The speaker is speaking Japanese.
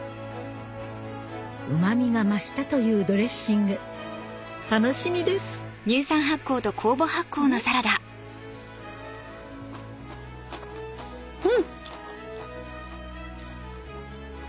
うま味が増したというドレッシング楽しみですうん。